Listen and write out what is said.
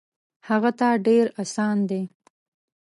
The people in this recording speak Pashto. هغه ته ډېر اسان دی.